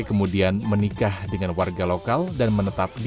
kemudian menikah dengan warga lokal dan menetap di